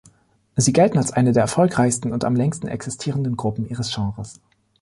Sie gelten als eine der erfolgreichsten und am längsten existierenden Gruppen ihres Genres.